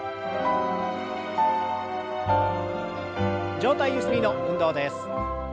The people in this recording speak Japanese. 上体ゆすりの運動です。